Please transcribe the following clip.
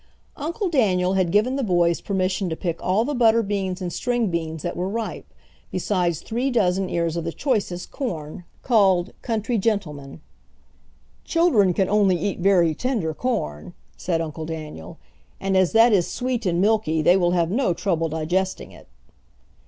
Uncle Daniel had given the boys permission to pick all the butter beans and string beans that were ripe, besides three dozen ears of the choicest corn, called "Country Gentleman." "Children can only eat very tender corn," said Uncle Daniel, "and as that is sweet and milky they will have no trouble digesting it."